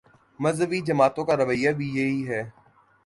مذہبی جماعتوں کا رویہ بھی یہی ہے۔